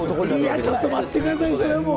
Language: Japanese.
いや、ちょっと待ってくださいよ、それはもう。